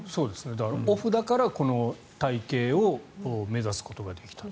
オフだからこの体形を目指すことができた。